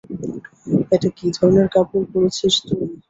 এটা কী ধরনের কাপড় পরেছিস তুই?